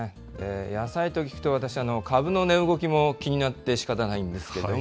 野菜と聞くと私、株の値動きも気になってしかたないんですけれども。